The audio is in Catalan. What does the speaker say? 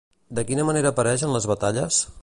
De quina manera apareix en les batalles?